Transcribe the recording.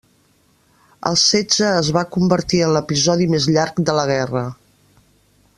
El setge es va convertir en l'episodi més llarg de la guerra.